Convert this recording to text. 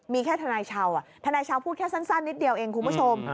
มีแค่ทนายชาวทนายชาวพูดแค่สั้นนิดเดียวเองคุณผู้ชม